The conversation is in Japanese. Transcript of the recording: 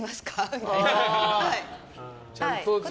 みたいな。